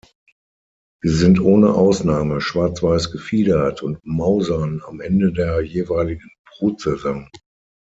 Sie sind ohne Ausnahme schwarz-weiß gefiedert und mausern am Ende der jeweiligen Brutsaison.